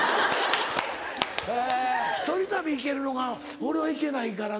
へぇ１人旅行けるのか俺は行けないからな。